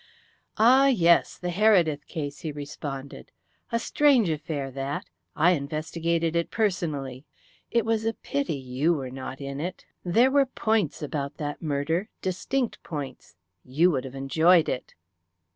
"Ah, yes, the Heredith case," he responded. "A strange affair, that. I investigated it personally. It was a pity you were not in it. There were points about that murder distinct points. You would have enjoyed it."